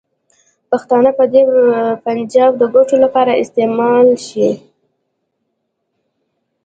پښتانه به د پنجاب د ګټو لپاره استعمال شي.